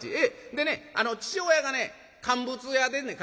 でね父親がね乾物屋でんねん。